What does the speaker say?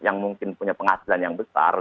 yang mungkin punya penghasilan yang besar